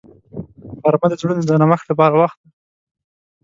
غرمه د زړونو د نرمښت لپاره وخت دی